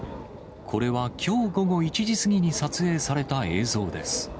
これはきょう午後１時過ぎに撮影された映像です。